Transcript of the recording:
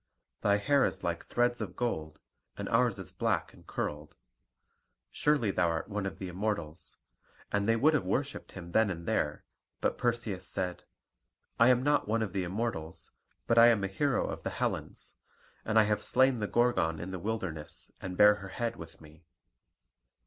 Thy hair is like threads of gold, and ours is black and curled. Surely thou art one of the Immortals"; and they would have worshipped him then and there; but Perseus said: "I am not one of the Immortals; but I am a hero of the Hellens. And I have slain the Gorgon in the wilderness, and bear her head with me.